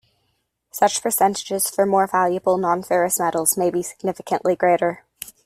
Such percentages for more valuable non-ferrous metals may be significantly greater.